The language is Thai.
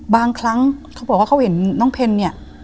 บางครั้งเขาบอกว่าเขาเห็นน้องเพนเนี่ย